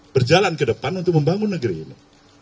berjalan ke depan untuk membangun negeri ini